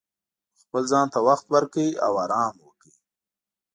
خپل ځان ته وخت ورکړئ او ارام وکړئ.